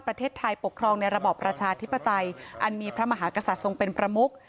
ประเทศไทยปกครองในระบอบประชาธิปไตยอันมีพระมหากษัตริย์ทรงเป็นประมุก